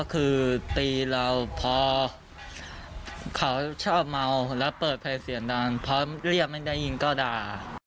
คือตีเราพอเขาชอบเมาแล้วเปิดภัยเสียงดังพอเรียกไม่ได้ยินก็ด่า